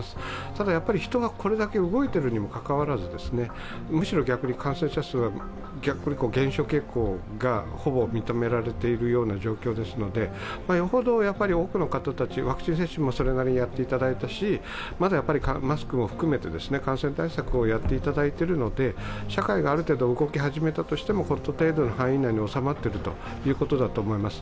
ただ人がこれだけ動いているにもかかわらず、むしろ逆に感染者数が減少傾向がほぼ認められているような状況ですのでよほど多くの方たち、ワクチン接種もそれなりにやっていただいたし、まだマスクを含めて感染対策をやっていただいているので社会がある程度動き始めたとしてもこの程度の範囲内に収まっているということだと思います。